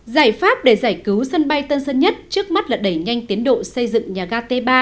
giải pháp để giải cứu sân bay tân sơn nhất trước mắt là đẩy nhanh tiến độ xây dựng nhà ga t ba